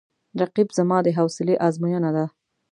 رقیب زما د حوصله آزموینه ده